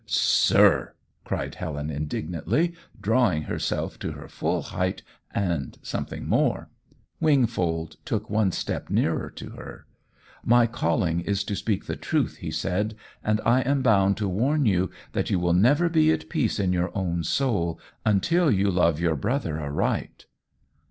"Sir!" cried Helen, indignantly drawing herself to her full height and something more. Wingfold took one step nearer to her. "My calling is to speak the truth," he said: "and I am bound to warn you that you will never be at peace in your own soul until you love your brother aright."